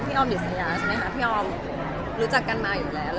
พอใส่เล็กสไอซ์อะไรอย่างนี้ก็จะขายดีจริงค่ะ